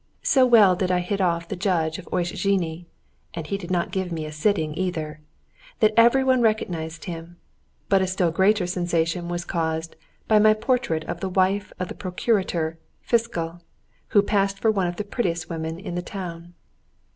So well did I hit off the Judge of Osziny (and he did not give me a sitting either) that every one recognised him; but a still greater sensation was caused by my portrait of the wife of the Procurator Fiscal, who passed for one of the prettiest women in the town.